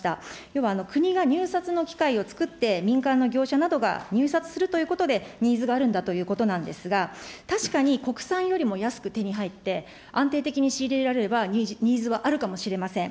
要は、国が入札の機会を作って、民間の業者などが入札するということで、ニーズがあるんだということなんですが、確かに国産よりも安く手に入って、安定的に仕入れられればニーズはあるかもしれません。